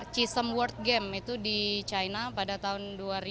chisholm world game itu di china pada tahun dua ribu lima belas